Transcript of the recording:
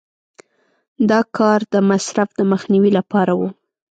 دا کار د مصرف د مخنیوي لپاره و.